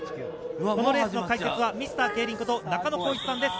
このレースの解説は、ミスター競輪こと、中野浩一さんです。